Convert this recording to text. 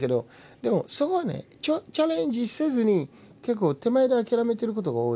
でもそこはねチャレンジせずに結構手前で諦めてることが多い。